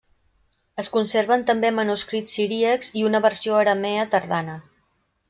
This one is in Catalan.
Es conserven també manuscrits siríacs i una versió aramea tardana.